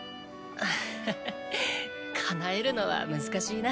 ハハ叶えるのは難しいな。